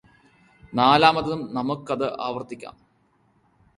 നാലാമതും നമുക്കത് ആവര്ത്തിക്കാം